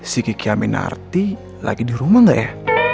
si kiki aminarti lagi di rumah nggak ya